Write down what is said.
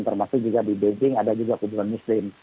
termasuk juga di beijing ada juga kuburan muslim